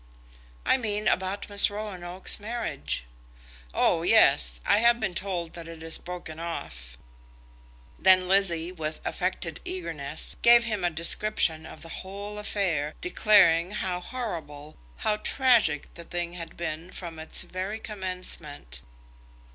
"I mean about Miss Roanoke's marriage?" "Oh, yes; I have been told that it is broken off." Then Lizzie, with affected eagerness, gave him a description of the whole affair, declaring how horrible, how tragic, the thing had been from its very commencement.